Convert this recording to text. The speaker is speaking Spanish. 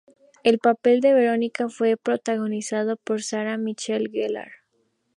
El papel de Verónica fue protagonizado por Sarah Michelle Gellar.